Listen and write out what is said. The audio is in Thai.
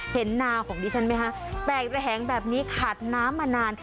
นาวของดิฉันไหมคะแตกระแหงแบบนี้ขาดน้ำมานาน